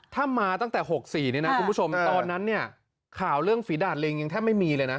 ถ้ามาตั้งแต่๖๔เนี่ยนะคุณผู้ชมตอนนั้นเนี่ยข่าวเรื่องฝีดาดลิงยังแทบไม่มีเลยนะ